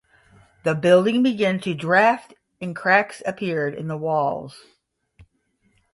The building began to draft and cracks appeared in the walls.